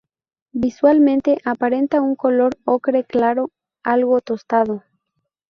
Visualmente aparenta un color ocre claro, algo tostado.